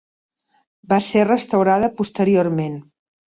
Va ser restaurada posteriorment.